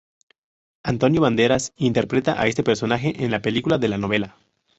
Antonio Banderas interpreta a este personaje en la película de la novela.